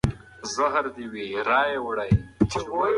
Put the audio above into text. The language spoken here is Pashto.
ونه له پاڼو څخه لغړه ودرېده.